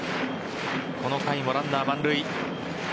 この回もランナー満塁。